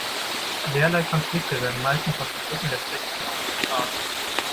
Derlei Konflikte werden meistens auf dem Rücken der Schwächsten ausgetragen.